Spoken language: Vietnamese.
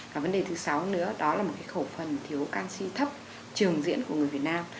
và vấn đề thứ sáu nữa đó là một cái khẩu phần thiếu canxi thấp trường diễn của người việt nam